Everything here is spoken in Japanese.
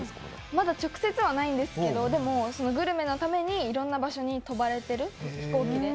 まだ直接はないんですけど、でも、グルメのためにいろんな場所に飛ばれてる、飛行機で。